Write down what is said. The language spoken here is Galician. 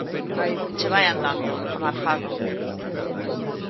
–Que che vaian dando, amargado.